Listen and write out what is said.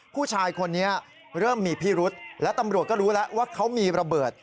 ผู้ชายคนนี้เริ่มมีพิรุษและตำรวจก็รู้แล้วว่าเขามีระเบิด